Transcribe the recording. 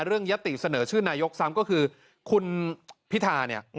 เรื่องแยะติเสนอชื่อนายกซ้ำก็คือคุณภิธาเนี่ย